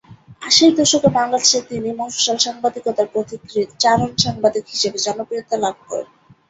আশির দশকে বাংলাদেশে তিনি মফস্বল সাংবাদিকতার পথিকৃৎ "চারণ সাংবাদিক" হিসেবে জনপ্রিয়তা লাভ করেন।